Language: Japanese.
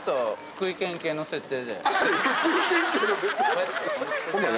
福井県警の設定？